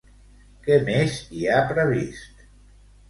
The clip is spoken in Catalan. Què més hi ha previst?